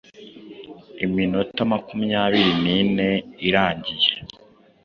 Iminota makumyabiri nine irarangiye